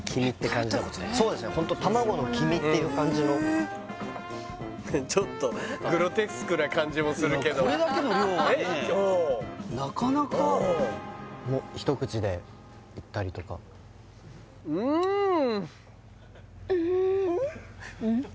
食べたことないかもそうですねホント卵の黄身っていう感じのちょっとグロテスクな感じもするけどなかなかうんもう一口でいったりとかうんうんうん？